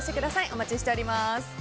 お待ちしております。